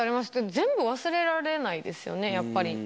全部忘れられないですよね、やっぱり。